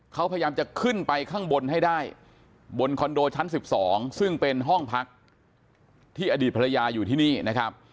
เขาพยายามจะขึ้นไปข้างบนให้ได้บนคอนโดชั้น๑๒ซึ่งเป็นห้องพักที่อดีตภรรยาอยู่ที่นี่นะครับ